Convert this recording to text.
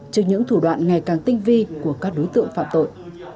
trước những thủ đoạn ngày càng tinh vi của các đối tượng phạm tội